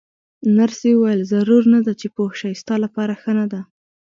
نرسې وویل: ضرور نه ده چې پوه شې، ستا لپاره ښه نه ده.